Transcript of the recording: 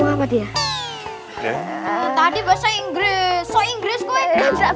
nggak bisa bahasa inggris aku